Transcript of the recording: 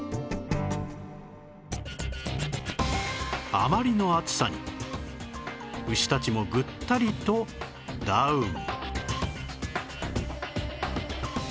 あまりの暑さに牛たちもぐったりとダウン